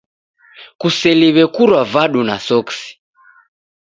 Kuseliw'e kurwa vadu na soksi.